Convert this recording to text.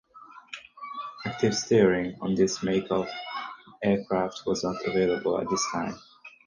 Active steering on this make of aircraft was not available at this time.